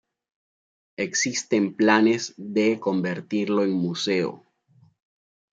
Existen planes de convertirlo en museo.